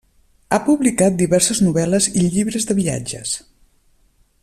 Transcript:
Ha publicat diverses novel·les i llibres de viatges.